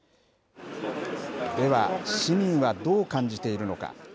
では市民はどう感じているのか。